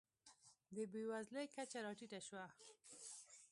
د بېوزلۍ کچه راټیټه شوه.